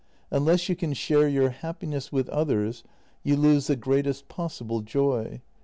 Unless you can share your happiness with others, you lose the greatest possible joy.